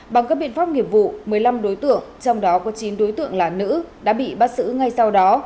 bằng các biện pháp nghiệp vụ một mươi năm đối tượng trong đó có chín đối tượng là nữ đã bị bắt xử ngay sau đó